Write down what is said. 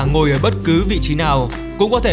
ngồi ở bất cứ vị trí nào cũng có thể